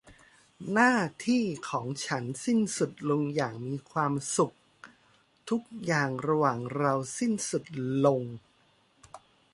หน้าที่ของฉันสิ้นสุดลงอย่างมีความสุข ทุกอย่างระหว่างเราสิ้นสุดลง